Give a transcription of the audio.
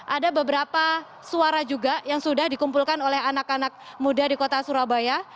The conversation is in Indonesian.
ada beberapa suara juga yang sudah dikumpulkan oleh anak anak muda di kota surabaya